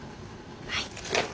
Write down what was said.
はい。